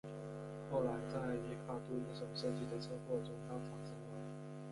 后来在里卡度一手设计的车祸中当场身亡。